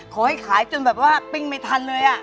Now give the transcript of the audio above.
ขอให้ขายจนแบบว่าปิ้งไม่ทันเลย